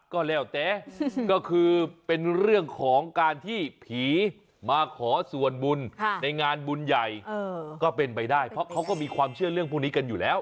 ก็แล้วแต่ก็คือเป็นเรื่องของการที่ผีมาขอส่วนบุญในงานบุญใหญ่ก็เป็นไปได้เพราะเขาก็มีความเชื่อเรื่องพวกนี้กันอยู่แล้ว